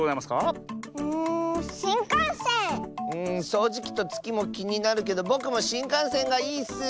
そうじきとつきもきになるけどぼくもしんかんせんがいいッス！